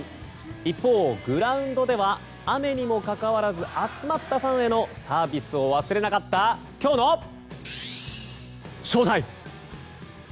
一方、グラウンドでは雨にもかかわらず集まったファンへのサービスを忘れなかったきょうのＳＨＯＴＩＭＥ。